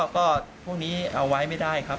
ก็พวกนี้เอาไว้ไม่ได้ครับ